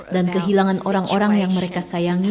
dan kehilangan orang orang yang mereka sayangi